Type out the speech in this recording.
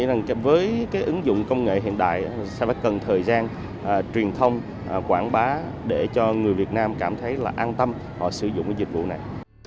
ấn dụng công nghệ hiện đại sẽ phải cần thời gian truyền thông quảng bá để cho người việt nam cảm thấy là an tâm họ sử dụng dịch vụ này